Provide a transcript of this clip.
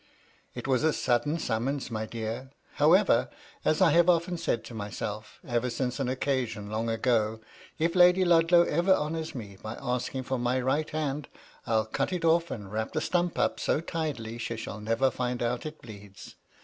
" It was a sudden summons, my dear ! However, as I have often said to myself, ever since an occasidK long ago, if Lady Ludlow ever honours me by asking for my right hand, I'll cut it off, and wrap the stump up so tidily she shall never find out it bleeds.